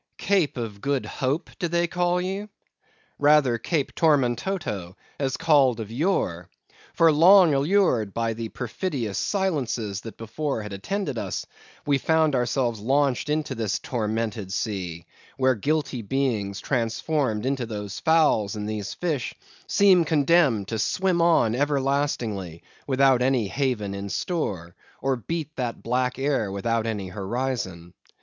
Cape of Good Hope, do they call ye? Rather Cape Tormentoso, as called of yore; for long allured by the perfidious silences that before had attended us, we found ourselves launched into this tormented sea, where guilty beings transformed into those fowls and these fish, seemed condemned to swim on everlastingly without any haven in store, or beat that black air without any horizon.